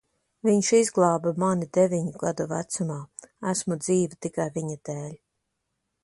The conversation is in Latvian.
Viņš izglāba mani deviņu gadu vecumā. Esmu dzīva tikai viņa dēļ.